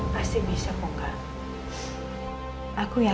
ketika catherine membuka mata dia